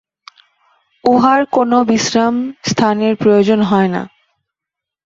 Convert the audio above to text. উহার কোন বিশ্রাম-স্থানের প্রয়োজন হয় না।